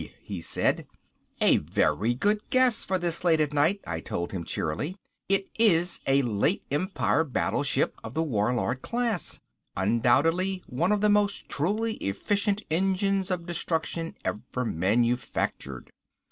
he said. "A very good guess for this late at night," I told him cheerily. "It is a late Empire battleship of the Warlord class. Undoubtedly one of the most truly efficient engines of destruction ever manufactured.